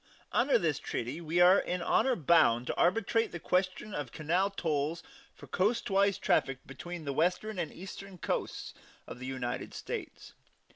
Under this treaty we are in honor bound to arbitrate the question of canal tolls for coastwise traffic between the Western and Eastern coasts of the United States.